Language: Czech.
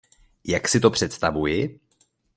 Jak si to představuji?